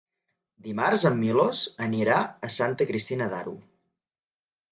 Dimarts en Milos anirà a Santa Cristina d'Aro.